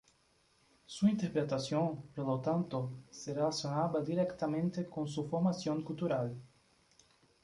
Su interpretación, por lo tanto, se relacionaba directamente con su formación cultural.